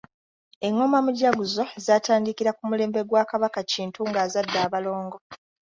Engoma mujaguzo zaatandikira ku mulembe gwa Kabaka Kintu ng'azadde abalongo.